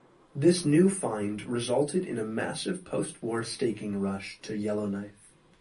This new find resulted in a massive post-war staking rush to Yellowknife.